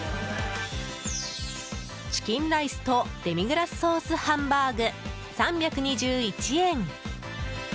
チキンライスとデミグラスソースハンバーグ３２１円。